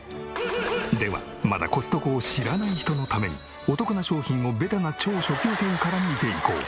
ではまだコストコを知らない人のためにお得な商品をベタな超初級編から見ていこう。